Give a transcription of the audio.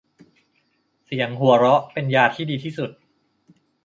เสียงหัวเราะเป็นยาที่ดีที่สุด